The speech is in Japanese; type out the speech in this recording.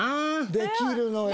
できるのよ。